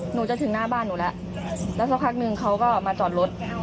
หนูจะถึงหน้าบ้านหนูแล้วแล้วสักพักนึงเขาก็มาจอดรถ